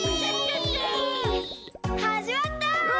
はじまった！